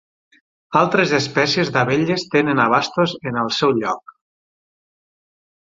Altres espècies d'abelles tenen abastos en el seu lloc.